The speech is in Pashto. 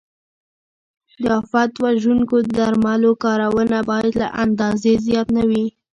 د آفت وژونکو درملو کارونه باید له اندازې زیات نه وي.